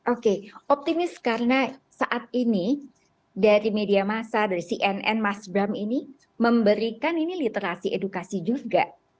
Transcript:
oke optimis karena saat ini dari media massa dari cnn mas bram ini memberikan ini literasi edukasi juga